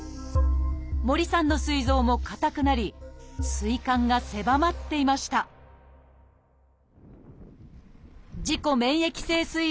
森さんのすい臓も硬くなりすい管が狭まっていました自己免疫性すい